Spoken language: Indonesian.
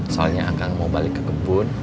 soalnya akan mau balik ke kebun